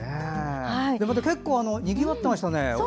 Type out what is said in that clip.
結構にぎわってましたね。